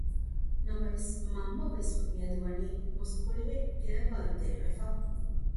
ނަމަވެސް މަންމަވެސް މިއަދު ވަނީ މުސްކުޅިވެ ގައިބާރު ދެރަވެފަ